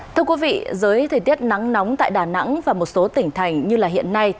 thưa quý vị dưới thời tiết nắng nóng tại đà nẵng và một số tỉnh thành như hiện nay